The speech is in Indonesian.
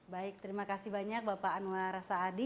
baik terima kasih banyak bapak anwar saadi